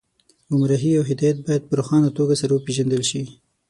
ګمراهي او هدایت باید په روښانه توګه سره وپېژندل شي